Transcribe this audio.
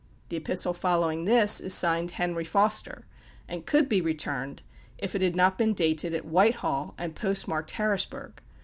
The epistle following this is signed, "Henry Foster," and could be returned if it had not been dated at "White Hall" and post marked "Harrisburg."